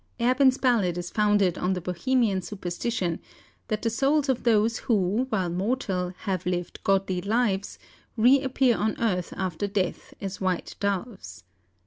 Erben's ballad is founded on the Bohemian superstition that the souls of those who, while mortal, have lived godly lives, reappear on earth after death as white doves.